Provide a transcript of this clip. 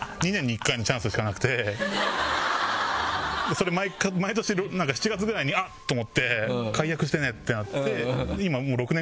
それ毎年なんか７月ぐらいにあっ！と思って解約してねえってなって今。